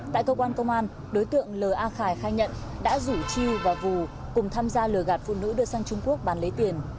tại cơ quan công an đối tượng l a khải khai nhận đã rủ chiêu và vù cùng tham gia lừa gạt phụ nữ đưa sang trung quốc bán lấy tiền